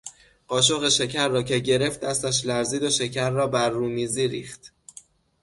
قاشق شکر را که گرفت دستش لرزید و شکر را بر رومیزی پاشید.